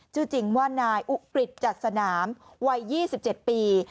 จือจริงว่านายอุ๊กกริจจัดสนามวัย๒๗ปี